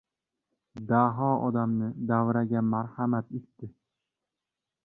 Daho odamni davraga marhamat etdi.